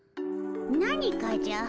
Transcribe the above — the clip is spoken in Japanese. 何かじゃ。